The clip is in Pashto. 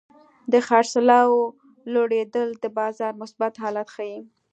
د خرڅلاو لوړېدل د بازار مثبت حالت ښيي.